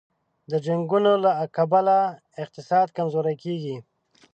د جنګونو له کبله اقتصاد کمزوری کېږي.